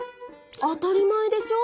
当たり前でしょ！